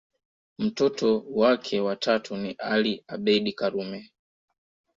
Mtoto wake wa tatu ni Ali Abeid Karume